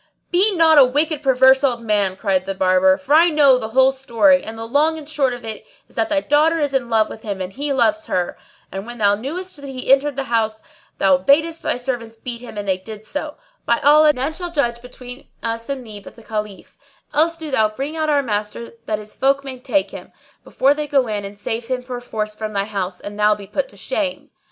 "Be not a wicked, perverse old man!" cried the Barber, "for I know the whole story; and the long and short of it is that thy daughter is in love with him and he loves her; and when thou knewest that he had entered the house, thou badest thy servants beat him and they did so: by Allah, none shall judge between us and thee but the Caliph; or else do thou bring out our master that his folk may take him, before they go in and save him perforce from thy house, and thou be put to shame."